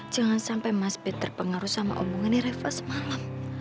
jangan sampai mas b terpengaruh sama omongan reva semalam